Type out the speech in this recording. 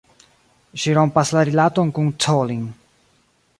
Ŝi rompas la rilaton kun Colin.